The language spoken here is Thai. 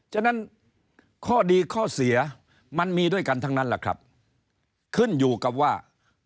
ฉะนั้นข้อดีข้อเสียมันมีด้วยกันทั้งนั้นแหละครับขึ้นอยู่กับว่า